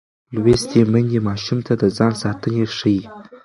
لوستې میندې ماشوم ته د ځان ساتنه ښيي.